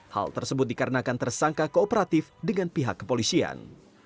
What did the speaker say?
hal tersebut dikarenakan tersangka kooperatif dengan pihak kepolisian